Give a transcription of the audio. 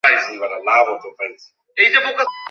এই শহরে আইওয়া বিশ্ববিদ্যালয়টি অবস্থিত।